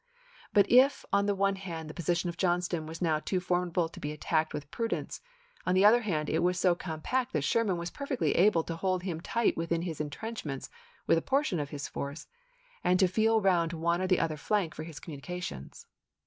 But if on the one hand the position of Johnston was now too formi dable to be attacked with prudence, on the other hand it was so compact that Sherman was perfectly able to hold him tight within his intrenchments with a portion of his force, and to feel round one or the other flank for his communications.